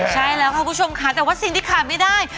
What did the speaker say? ใช่แล้วค่ะคุณผู้ชมค่ะแต่ว่าสิ่งที่ขาดไม่ได้